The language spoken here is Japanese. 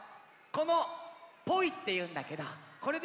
このポイっていうんだけどこれでさ